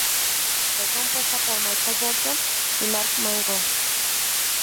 Fue compuesta por Michael Bolton y Mark Mangold.